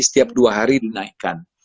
setiap dua hari dinaikkan